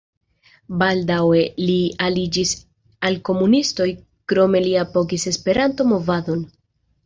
Baldaŭe li aliĝis al komunistoj, krome li apogis Esperanto-movadon.